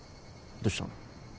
どしたの？